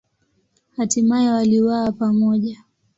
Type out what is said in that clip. Hatimaye waliuawa pamoja.